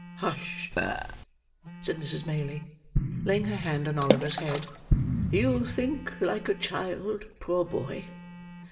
"Hush!" said Mrs. Maylie, laying her hand on Oliver's head. "You think like a child, poor boy.